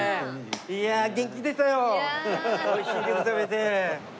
いやあ元気出たよ美味しい肉食べて。